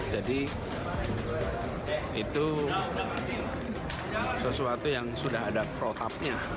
jadi itu sesuatu yang sudah ada protapnya